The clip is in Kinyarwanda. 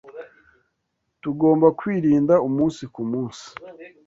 Tugomba kwirinda umunsi kumunsi